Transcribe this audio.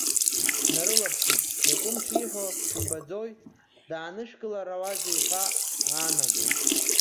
Днарылаԥшит, иакәым шиҳәо шәымбаӡои, даанышәкыларауазеи ҳәа аанаго.